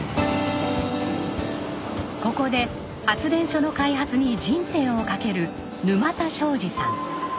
ここで発電所の開発に人生をかける沼田昭二さん。